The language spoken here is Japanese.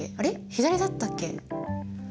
左だったっけ？